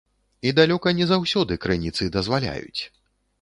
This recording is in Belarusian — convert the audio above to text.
І далёка не заўсёды крыніцы дазваляюць.